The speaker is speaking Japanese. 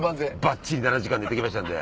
ばっちり７時間寝て来ましたんで。